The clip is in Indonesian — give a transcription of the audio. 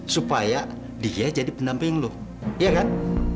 supaya dia jadi pendamping loh iya kan